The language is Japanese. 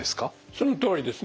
そのとおりですね。